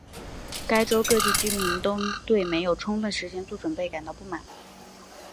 该州各地居民都对没有充分时间做准备感到不满。